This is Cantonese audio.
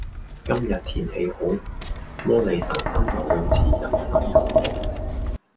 今日天氣好，摩理臣山游泳池人山人海。